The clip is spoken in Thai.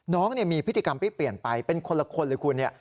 น้องมีพฤติกรรมที่เปลี่ยนไปเป็นคนละคนเลยคุณเนี่ย